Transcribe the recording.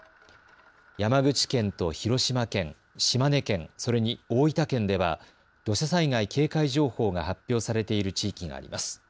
山口県と広島県、島根県、それに大分県では土砂災害警戒情報が発表されている地域があります。